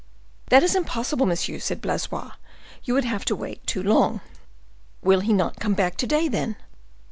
"That is impossible, monsieur," said Blaisois; "you would have to wait too long." "Will he not come back to day, then?"